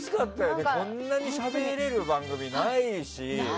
こんなにしゃべれる番組ないし。